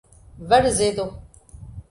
Varzedo